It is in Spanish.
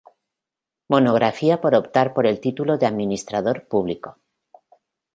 Monografía por optar por el título de Administrador Público.